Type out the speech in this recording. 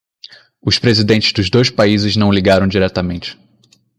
Os presidentes dos dois países não ligaram diretamente.